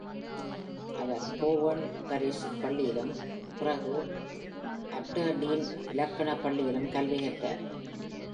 அவர் Foveran Parish பள்ளியிலும் பிறகு Aberdeen இலக்கண பள்ளியிலும் கல்வி கற்றார்.